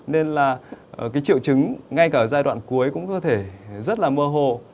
nên là cái triệu chứng ngay cả ở giai đoạn cuối cũng có thể rất là mơ hồ